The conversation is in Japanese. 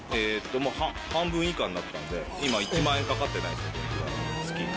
半分以下になったんで、今、１万円かかってないです、月に。